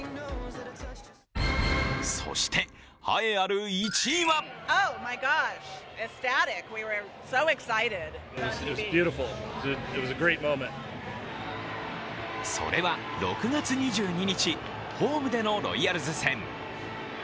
そして、栄えある１位はそれは６月２２日、ホームでのロイヤルズ戦。